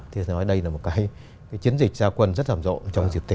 thì nói đây là một cái chiến dịch gia quân rất giảm rộ trong dịp tết